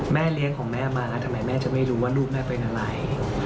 เลี้ยงของแม่มาแล้วทำไมแม่จะไม่รู้ว่าลูกแม่เป็นอะไร